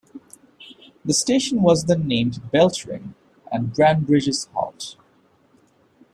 The station was then named Beltring and Branbridges Halt.